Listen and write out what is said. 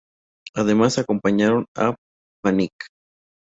Además acompañaron a Panic!